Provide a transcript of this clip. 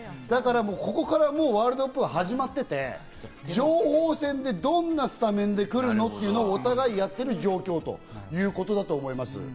もうここからワールドカップは始まっていて情報戦で、どんなスタメンで来るの？っていうのを、お互いやってる状況ということだと思います。